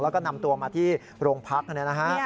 แล้วก็นำตัวมาที่โรงพักษณ์นะครับ